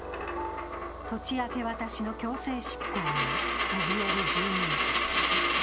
土地明け渡しの強制執行におびえる住民たち。